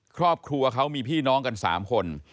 ครอบครัวเขามีพี่น้องกัน๓คน